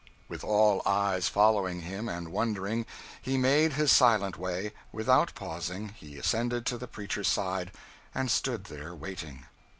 With all eyes following him and wondering, he made his silent way; without pausing, he ascended to the preacher's side and stood there waiting.